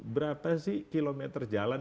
berapa sih kilometer jalan